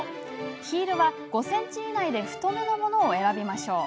ヒールは５ｃｍ以内で太めのものを選びましょう。